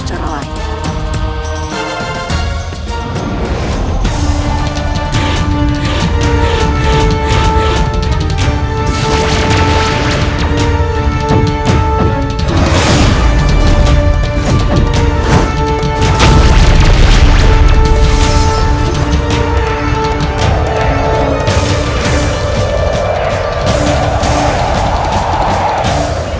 dan menggunakan cara lain